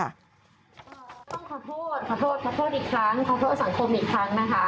ต้องขอโทษขอโทษอีกครั้งขอโทษสังคมอีกครั้งนะคะ